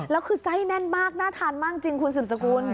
แล้วคือไส้แน่นมากน่าทานมากจริงคุณสืบสกุล